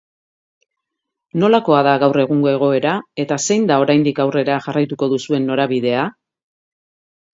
Nolakoa da gaur egungo egoera eta zein da oraindik aurrera jarraituko duzuen norabidea?